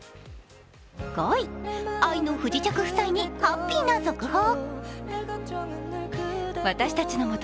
５位、「愛の不時着」夫妻にハッピーな続報。